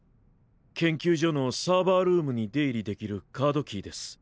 研究所のサーバールームに出入りできるカードキーです。